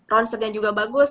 ronsennya juga bagus